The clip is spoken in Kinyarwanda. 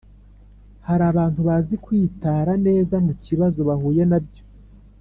Harabantu bazi kwitara neza mu kibazo bahuye nabyo